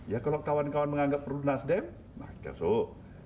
ya kalau kawan kawan menganggap perlu nassim maka masuk